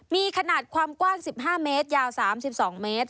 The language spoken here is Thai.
มีขนาดความกว้าง๑๕เมตรยาว๓๒เมตร